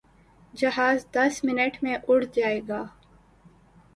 جہاز دس منٹ میں اڑ جائے گا۔